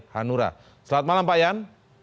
hanura selamat malam pak yan